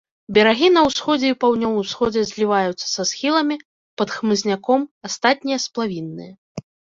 Берагі на ўсходзе і паўднёвым усходзе зліваюцца са схіламі, пад хмызняком, астатнія сплавінныя.